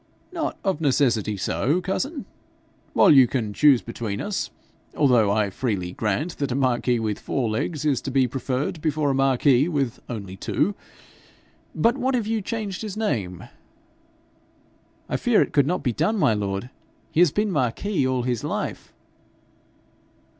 'Not of necessity so, cousin, while you can choose between us; although I freely grant that a marquis with four legs is to be preferred before a marquis with only two. But what if you changed his name?' 'I fear it could not be done, my lord. He has been Marquis all his life.'